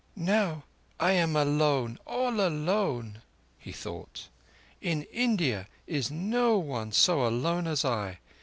"Now am I alone—all alone," he thought. "In all India is no one so alone as I!